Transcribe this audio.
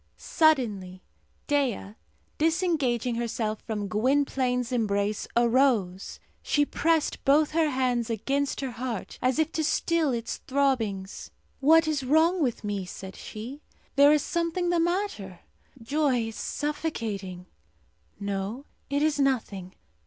Suddenly Dea, disengaging herself from Gwynplaine's embrace, arose. She pressed both her hands against her heart, as if to still its throbbings. "What is wrong with me?" said she. "There is something the matter. Joy is suffocating. No, it is nothing!